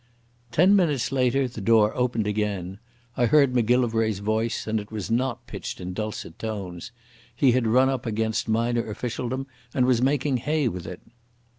Ten minutes later the door opened again. I heard Macgillivray's voice, and it was not pitched in dulcet tones. He had run up against minor officialdom and was making hay with it.